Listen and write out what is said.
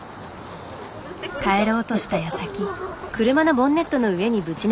帰ろうとしたやさき。